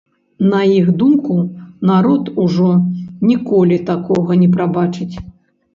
На іх думку, народ ужо ніколі такога не прабачыць.